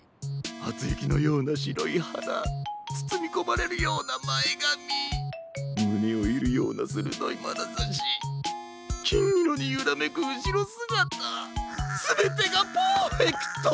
はつゆきのようなしろいはだつつみこまれるようなまえがみむねをいるようなするどいまなざしきんいろにゆらめくうしろすがたすべてがパーフェクト！